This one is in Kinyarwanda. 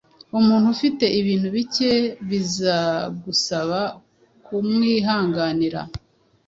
umuntu ufite ibintu bike bizagusaba kumwihanganira.